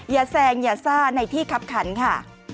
แซงอย่าซ่าในที่คับขันค่ะ